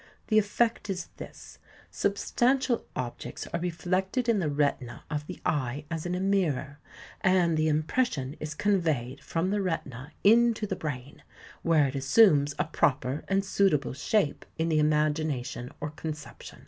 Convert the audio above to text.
The effect is this: substantial objects are reflected in the retina of the eye as in a mirror; and the impression is conveyed from the retina into the brain, where it assumes a proper and suitable shape in the imagination or conception.